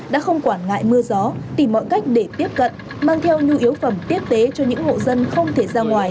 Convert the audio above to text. đã không quản ngại mưa gió tìm mọi cách để tiếp cận mang theo nhu yếu phẩm tiếp tế cho những hộ dân không thể ra ngoài